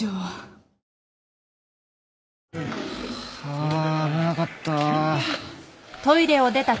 あ危なかったぁ。